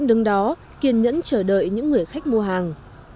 nhưng trong thời gian thấp nập họ vẫn đứng đó kiên nhẫn chờ đợi những người khách mua hàng